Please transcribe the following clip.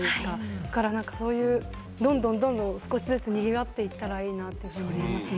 だから、どんどん少しずつ賑わっていったらいいなと思いますね。